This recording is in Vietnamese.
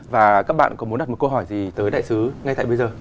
và các bạn có muốn đặt một câu hỏi gì tới đại sứ ngay tại bây giờ